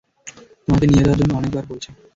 তোমাকে নিয়ে যাওয়ার জন্য অনেকবার বলছে।